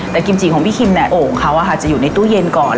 แต่กิมจิของพี่คิมโอ่งเขาจะอยู่ในตู้เย็นก่อน